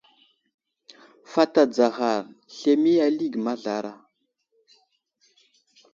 Fat adzaghar ,zlemiye alige mazlara.